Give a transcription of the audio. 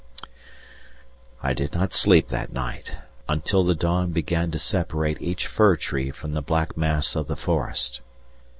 I did not sleep that night, until the dawn began to separate each fir tree from the black mass of the forest.